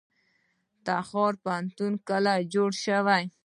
تخار پوهنتون کله جوړ شو؟